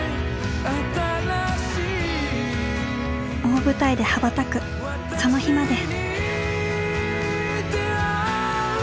大舞台で羽ばたくその日まで。